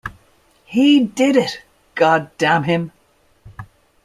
He did it, God damn him!